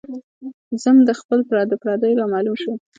ذم د خپلو د پرديو را معلوم شو